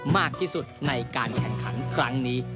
มากที่สุดในการแข่งขันครั้งนี้